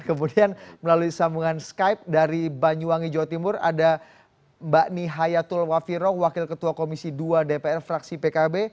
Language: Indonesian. kemudian melalui sambungan skype dari banyuwangi jawa timur ada mbak nihayatul wafiroh wakil ketua komisi dua dpr fraksi pkb